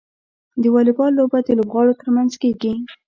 د واليبال لوبه د لوبغاړو ترمنځ کیږي.